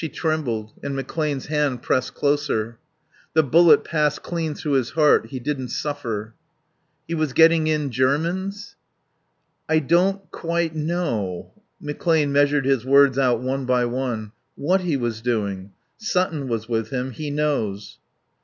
She trembled and McClane's hand pressed closer. "The bullet passed clean through his heart. He didn't suffer." "He was getting in Germans?" "I don't quite know " McClane measured his words out one by one, "what he was doing. Sutton was with him. He knows."